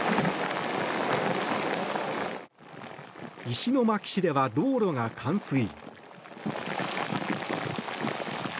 石巻市では道路が冠水。